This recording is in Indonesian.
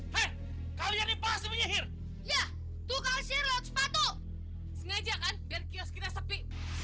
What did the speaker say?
hai kalian ini pas menyehir ya tuh kalsir lo sepatu sengaja kan dan kiosknya sepi